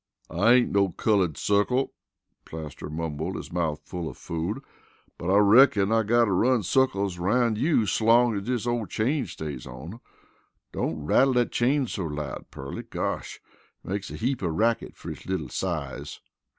"I ain't no cullud circle," Plaster mumbled, his mouth full of food. "But I reckin I got to run circles aroun' you 'slong as dis ole chain stays on. Don't rattle dat chain so loud, Pearly! Gosh! It makes a heap of racket fer its little size."